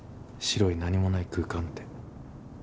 白い何もない空間って。